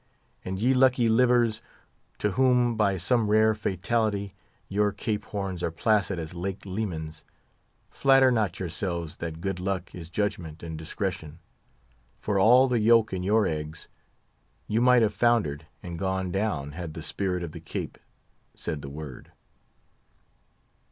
And ye lucky livers, to whom, by some rare fatality, your Cape Horns are placid as Lake Lemans, flatter not yourselves that good luck is judgment and discretion; for all the yolk in your eggs, you might have foundered and gone down, had the Spirit of the Cape said the word.